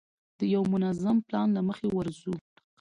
د یوه منظم پلان له مخې ورځو.